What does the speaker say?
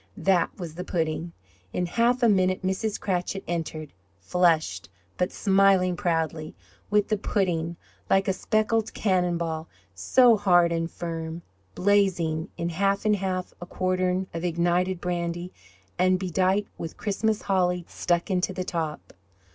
That was the pudding! In half a minute Mrs. Cratchit entered flushed, but smiling proudly with the pudding, like a speckled cannon ball, so hard and firm, blazing in half of half a quartern of ignited brandy, and bedight with Christmas holly stuck into the top.